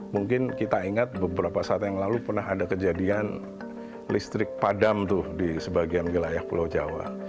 mungkin kita ingat beberapa saat yang lalu pernah ada kejadian listrik padam tuh di sebagian wilayah pulau jawa